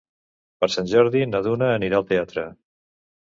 Per Sant Jordi na Duna anirà al teatre.